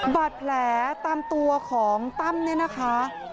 บาดแผลตามตัวของตั้มเนี่ยนะคะ